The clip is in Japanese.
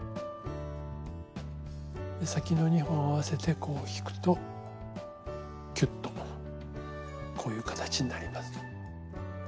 先の２本を合わせてこう引くとキュッとこういう形になります。